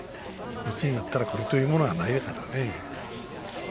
四つになったらこれというものがないからね。